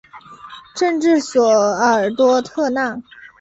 镇治索尔多特纳。